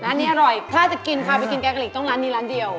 ร้านนี้อร่อยถ้าจะกินข้าวไปกินแกงกะหรี่ตรงร้านนี้ร้านเดียว